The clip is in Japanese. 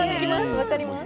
分かります。